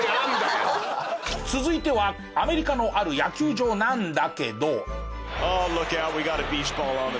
続いてはアメリカのある野球場なんだけど。